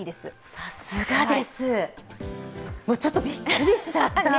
さすがです！ちょっとびっくりしちゃった。